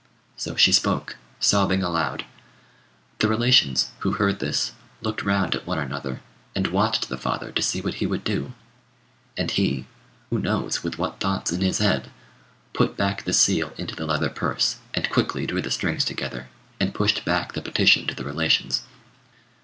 So she spoke, sobbing aloud. The relations, who heard this, looked round at one another, and watched the father to see what he would do; and he (who knows with what thoughts in his head?) put back the seal into the leather purse, and quickly drew the strings together, and pushed back the petition to the relations.